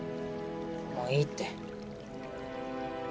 もういいってえっ？